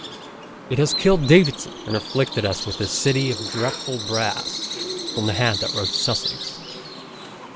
It has killed Davidson, and afflicted us with the " City of Dreadful Brass " from the hand that wrote " Sussex."